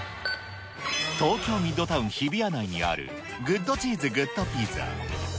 東京ミッドタウン日比谷内にあるグッドチーズグッドピザ。